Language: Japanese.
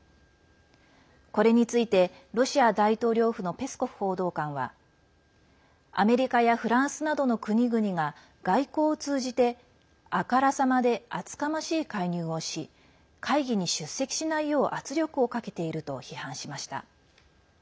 これについて、ロシア大統領府のペスコフ報道官はアメリカやフランスなどの国々が外交を通じてあからさまで厚かましい介入をし会議に出席しないよう圧力をかけていると批判しました。